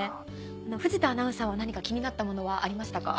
藤田アナウンサーは何か気になったものはありましたか？